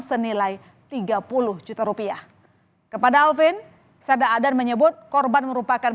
senilai tiga puluh juta rupiah kepada alvin serda adan menyebut korban merupakan